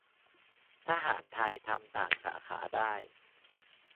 - ทหารไทย ทำต่างสาขาได้